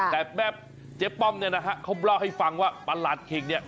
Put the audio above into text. แต่แม่เจ๊ป้อมเนี่ยนะฮะเขาเล่าให้ฟังว่าประหลัดขิกเนี่ย